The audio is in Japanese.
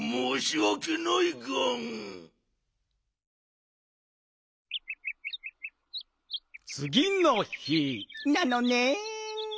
つぎの日なのねん。